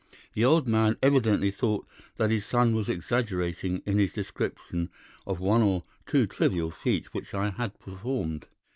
The old man evidently thought that his son was exaggerating in his description of one or two trivial feats which I had performed.